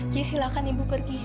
ya silakan ibu pergi